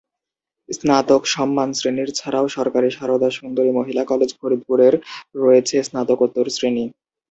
স্নাতক সম্মান শ্রেণীর ছাড়াও সরকারি সারদা সুন্দরী মহিলা কলেজ ফরিদপুর এর রয়েছে স্নাতকোত্তর শ্রেণি।